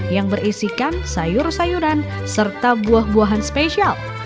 yang berisikan sayur sayuran serta buah buahan spesial